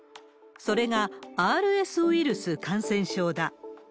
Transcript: それがＲＳウイルス感染症だ。